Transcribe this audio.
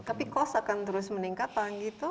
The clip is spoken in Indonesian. tapi kos akan terus meningkat pak ngitr